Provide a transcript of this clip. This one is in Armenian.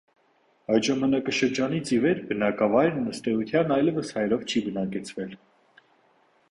Այդ ժամանակաշրջանից ի վեր բնակավայրն, ըստ էության, այլևս հայերով չի բնակեցվել։